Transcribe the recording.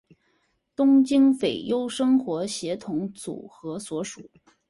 东京俳优生活协同组合所属。